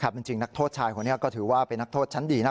จริงนักโทษชายคนนี้ก็ถือว่าเป็นนักโทษชั้นดี